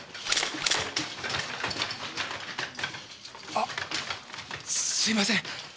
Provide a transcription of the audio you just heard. あっすいません。